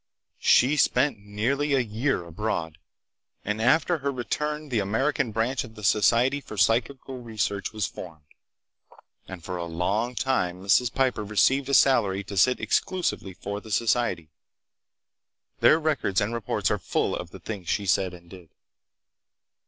She spent nearly a year abroad; and after her return the American branch of the Society for Psychical Research was formed, and for a long time Mrs. Piper received a salary to sit exclusively for the society. Their records and reports are full of the things she said and did.